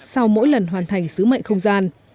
sau mỗi lần hoàn thành sứ mệnh không gian